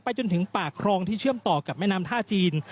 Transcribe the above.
จนถึงปากครองที่เชื่อมต่อกับแม่น้ำท่าจีน